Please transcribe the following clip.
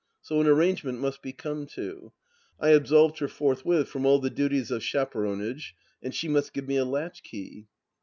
So an arrangement must be come to. I absolved her forth with from all the duties of chaperonage, and she must give me a latchkey.